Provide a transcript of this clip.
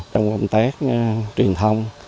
trong công tác truyền thông